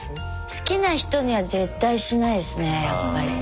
好きな人には絶対しないですねやっぱり。